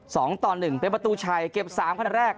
สองต่อหนึ่งเป็นประตูชัยเก็บสามคะแนนแรก